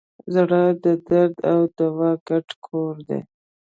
زړه د درد او دوا ګډ کور دی.